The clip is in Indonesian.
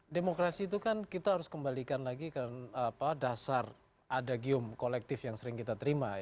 demokrasi itu kan kita harus kembalikan lagi ke dasar adagium kolektif yang sering kita terima